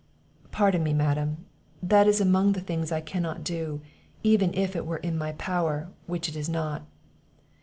"Pardon me, Madam, that is among the things I cannot do, even if it were in my power, which it is not.